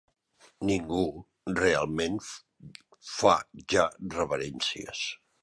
Ningú realment fa ja reverències.